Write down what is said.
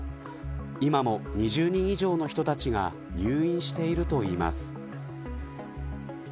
今も２０人以上の人たちが入院しているといいます。